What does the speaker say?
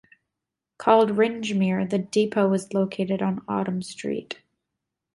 Called "Rindgemere", the depot was located on Autumn Street.